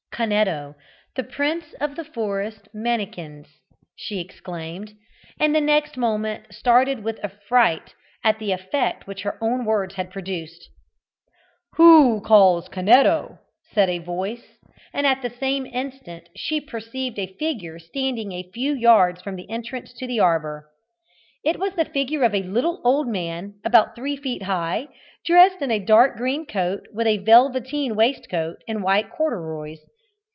"Canetto, the Prince of the Forest Mannikins," she exclaimed, and the next moment started with affright at the effect which her own words had produced. "Who calls Canetto?" said a voice; and at the same instant she perceived a figure standing a few yards off from the entrance to the arbour. It was the figure of a little old man, about three feet high, dressed in a dark green coat, with a velveteen waistcoat and white corduroys.